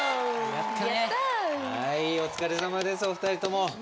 お疲れさまですお二人とも。